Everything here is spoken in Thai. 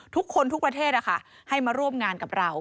ทุกคนทุกประเทศให้มาร่วมงานกับเรา